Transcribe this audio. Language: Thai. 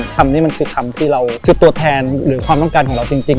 คำนี้มันคือคำที่เราคือตัวแทนหรือความต้องการของเราจริง